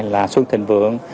là xuân thịnh vượng